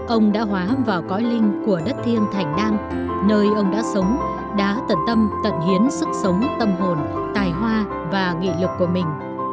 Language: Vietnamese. ông đã hóa vào cõi linh của đất thiêng thành nam nơi ông đã sống đã tận tâm tận hiến sức sống tâm hồn tài hoa và nghị lực của mình